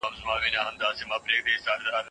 وزیران به د جګړې مخه ونیسي.